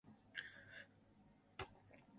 It is otherwise marked only by a few tiny craterlets.